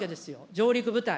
上陸部隊。